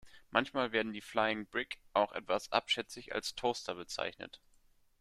Manchmal werden die „Flying Brick“ auch etwas abschätzig als „Toaster“ bezeichnet.